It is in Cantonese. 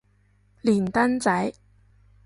連登仔